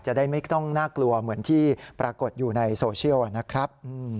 จะได้ไม่ต้องน่ากลัวเหมือนที่ปรากฏอยู่ในโซเชียลนะครับ